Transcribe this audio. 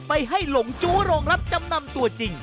ไปให้หลงจู้โรงรับจำนำตัวจริง